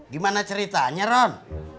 gimana ceritanya ron